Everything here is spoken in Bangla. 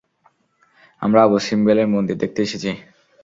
আমরা আবু সিম্বেলের মন্দির দেখতে এসেছি!